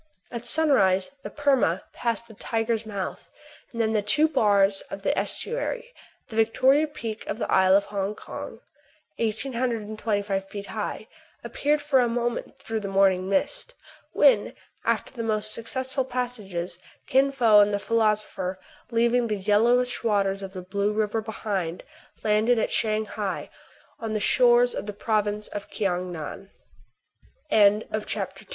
At sunrise the "Perma" passed the Tiger's Mouth, and then the two bars of the estuary. The Victoria Peak of the isle of Hong Kong, eighteen hundred and twenty five feet high, ap peared for a moment through the morning mist, when, after the most successful of passages, Kin Fo and the philosopher, leaving the yellowish waters of the Blue River behind them, landed at Shang hai, on the shores of th